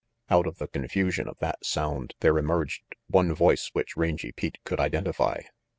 Out of the confusion of that sound there emerged one voice which Rangy Pete could identify.